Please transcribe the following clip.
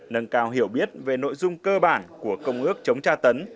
nâng cao hiểu biết về nội dung cơ bản của công ước chống tra tấn